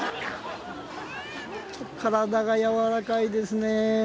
体がやわらかいですね。